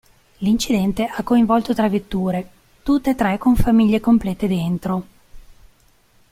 L'incidente ha coinvolto tre vetture, tutte e tre con famiglie complete dentro.